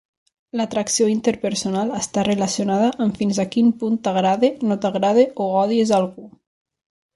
L'atracció interpersonal està relacionada amb fins a quin punt t'agrada, no t'agrada o odies algú.